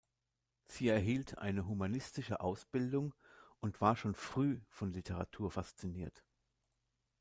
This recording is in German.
Sie erhielt eine humanistische Ausbildung und war schon früh von Literatur fasziniert.